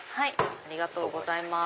ありがとうございます。